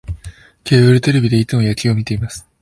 ケーブルテレビでいつも野球を観てます